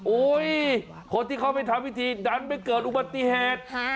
คนที่เขาไปทำพิธีดันไปเกิดอุบัติเหตุ